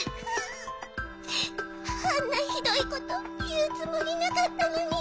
あんなひどいこというつもりなかったのに。